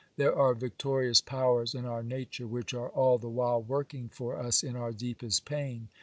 There are victorious powers in our nature which are all the while working for us in our deepest pain.